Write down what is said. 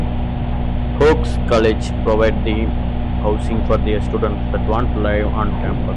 Oakes College provides theme housing for their students that want to live on campus.